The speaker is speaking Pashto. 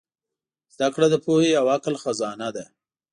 زدهکړه د پوهې او عقل خزانه ده.